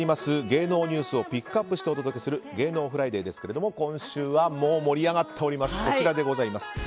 芸能ニュースをピックアップしてお届けする芸能フライデーですけども今週はもう盛り上がっております